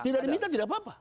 tidak diminta tidak apa apa